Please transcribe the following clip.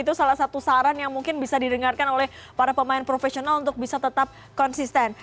itu salah satu saran yang mungkin bisa didengarkan oleh para pemain profesional untuk bisa tetap konsisten